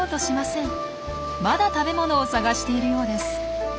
まだ食べ物を探しているようです。